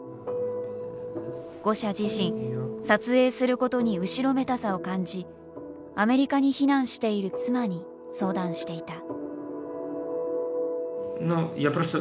ゴシャ自身撮影することに後ろめたさを感じアメリカに避難している妻に相談していた。